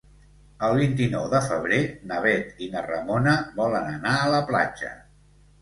El vint-i-nou de febrer na Bet i na Ramona volen anar a la platja.